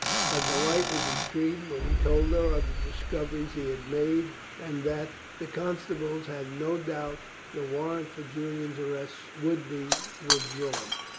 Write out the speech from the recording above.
Her delight was extreme when he told her of the discoveries he had made, and that the constables had no doubt the warrant for Julian's arrest would be withdrawn.